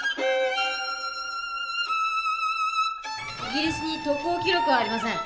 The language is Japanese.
イギリスに渡航記録はありません。